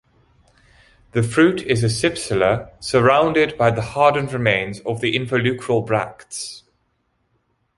The fruit is a cypsela surrounded by the hardened remains of the involucral bracts.